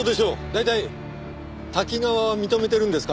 大体瀧川は認めてるんですか？